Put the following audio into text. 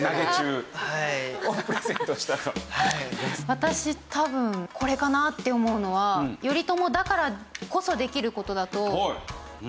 私多分これかな？って思うのは頼朝だからこそできる事だと。